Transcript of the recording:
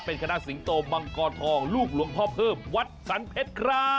เป็นคณะสิงโตมังกรทองลูกหลวงพ่อเพิ่มวัดสรรเพชรครับ